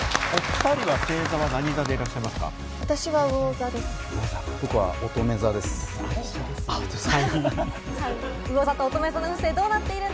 お２人は星座は何座でいらっしゃいますか？